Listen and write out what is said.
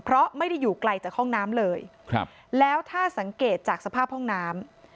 เพราะไม่ได้อยู่ไกลจากห้องน้ำเลยครับแล้วถ้าสังเกตจากสภาพห้องน้ำ